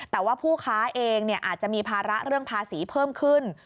แต่ว่าผู้ค้าเองอาจจะมีภาระเรื่องภาษีเพิ่มขึ้น